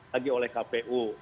lagi oleh kpu